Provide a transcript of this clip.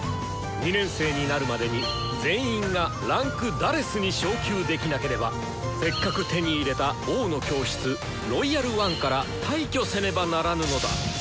２年生になるまでに全員が位階「４」に昇級できなければせっかく手に入れた「王の教室」「ロイヤル・ワン」から退去せねばならぬのだ！